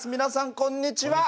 こんにちは。